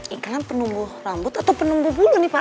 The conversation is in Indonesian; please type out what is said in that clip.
iklan penumbuh rambut atau penumbuh bulu nih pak